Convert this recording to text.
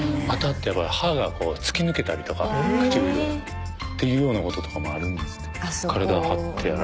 当たって歯が突き抜けたりとか唇。っていうようなこととかもあるんですって。